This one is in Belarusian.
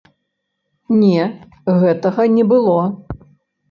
Не, гэтага не было.